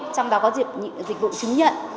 trong đó có dịch vụ chứng nhận